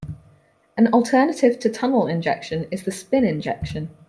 An alternative to tunnel injection is the spin injection.